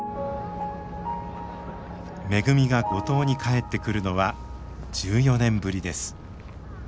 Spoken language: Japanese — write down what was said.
めぐみが五島に帰ってくるのは１４年ぶりです。